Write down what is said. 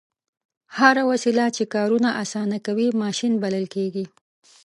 هره وسیله چې کارونه اسانه کوي ماشین بلل کیږي.